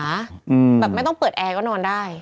แบบไม่ต้องเปิดแอร์ก็นอนได้